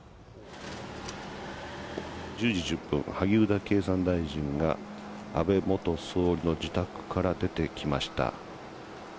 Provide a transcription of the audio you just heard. １０時１０分、萩生田経産大臣が安倍元総理の自宅から出てきました。